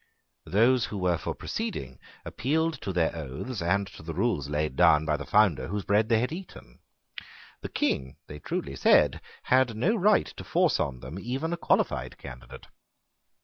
Those who were for proceeding appealed to their oaths and to the rules laid down by the founder whose bread they had eaten. The King, they truly said, had no right to force on them even a qualified candidate.